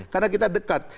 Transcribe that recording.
karena kita dekat